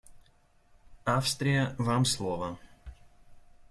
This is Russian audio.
Австрия, вам слово.